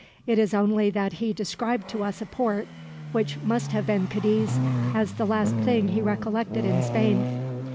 It is only that he described to us a port, which must have been Cadiz, as the last thing he recollected in Spain."